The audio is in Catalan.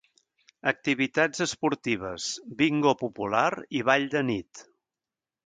Activitats esportives, bingo popular i ball de nit.